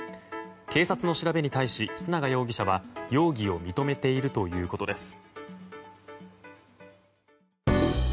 警察の調べに対し須永容疑者は容疑を認めているということです。